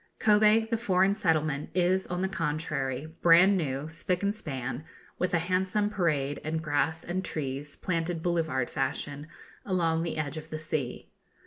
Kobe, the foreign settlement, is, on the contrary, bran new, spick and span, with a handsome parade, and grass and trees, planted boulevard fashion, along the edge of the sea.